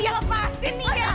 iya lepasin nih ya